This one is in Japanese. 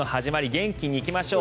元気に行きましょう。